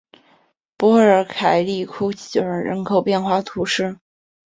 波尔凯里库尔人口变化图示